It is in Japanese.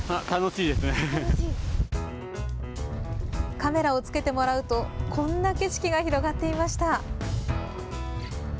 カメラを付けてもらうとこんな景色が広がっていました。